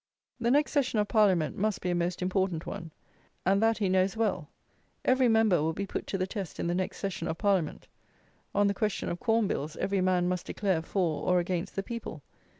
The next session of Parliament must be a most important one, and that he knows well. Every member will be put to the test in the next session of Parliament. On the question of Corn Bills every man must declare, for, or against, the people.